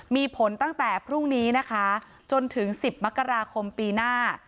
มีผลตั้งแต่พรุ่งนี้นะคะจนถึง๑๐มกราคมปีหน้า